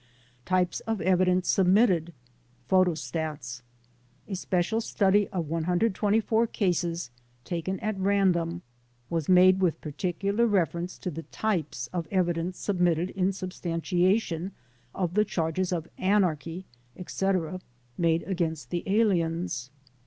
Types of Evidence Submitted: Photostats A special study of 124 cases, taken at random, was made with particular reference to the types of evidence submitted in substantiation of the charges of anarchy, etc., made against the aliens.